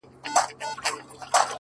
لکه رېل گاډې کرښې داسې منحني پروت يمه”